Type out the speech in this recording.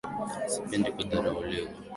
Sipendi kudharauliwa.